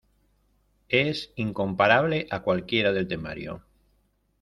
es incomparable a cualquiera del temario.